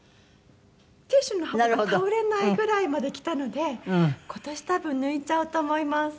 ティッシュの箱が倒れないぐらいまできたので今年多分抜いちゃうと思います。